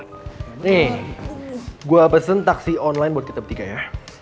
nih gue pesen taxi online buat kita tiga ya